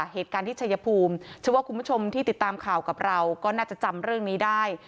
เหตุการณ์ที่ชัยภูมิเชื่อว่าคุณผู้ชมที่ติดตามข่าวกับเราก็น่าจะจำเรื่องนี้ได้